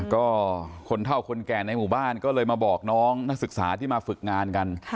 ก็คนเท่าคนแก่ในหมู่บ้านก็เลยมาบอกน้องนักศึกษาที่มาฝึกงานกัน